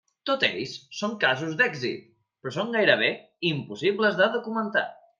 Tots ells són casos d'èxit, però són gairebé impossibles de documentar.